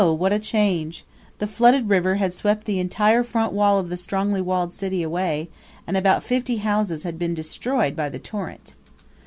what a change! The flooded river had swept the entire front wall of the strongly walled city away, and about fifty houses had been destroyed by the torrent.